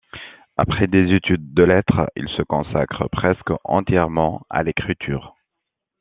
Après des études de lettres, il se consacre presque entièrement à l'écriture.